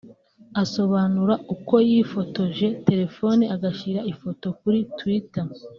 Asobanura uko yifotoje telefone agashyira ifoto kuri twitter